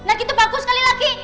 nah kita bagus sekali lagi